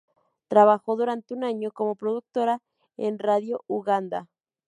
Trabajó durante un año como productora en Radio Uganda.